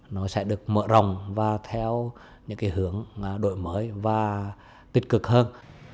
nó sẽ được mở rộng và theo những hướng đổi mới và tích cực hơn